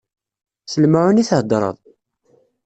S lemεun i theddreḍ?